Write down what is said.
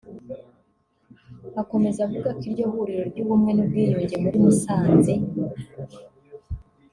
Akomeza avuga ko iryo huriro ry’ubumwe n’ubwiyunge muri Musanze